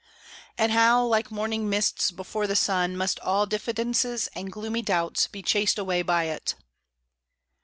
And how, like morning mists before the sun, must all diffidences and gloomy doubts, be chased away by it!